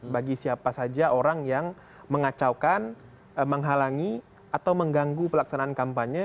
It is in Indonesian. bagi siapa saja orang yang mengacaukan menghalangi atau mengganggu pelaksanaan kampanye